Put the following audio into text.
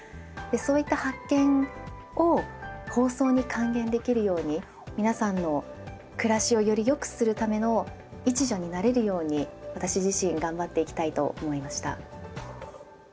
そういった発見を放送に還元できるように皆さんの暮らしをよりよくするための一助になれるように私自身頑張っていきたいと思いました。